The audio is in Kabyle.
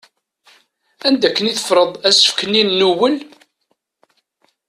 Anda akken i teffreḍ asefk-nni n nuwel?